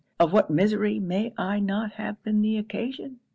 of what misery may I not have been the occasion!